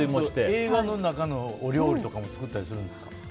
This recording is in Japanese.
映画の中のお料理とかも作ったりするんですか？